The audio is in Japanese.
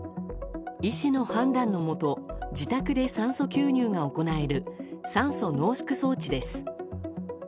医師の判断のもと自宅で酸素吸入が行える酸素濃縮装置です。